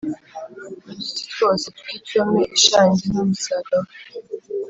N uduti twose tw icyome ishangi n umusagavu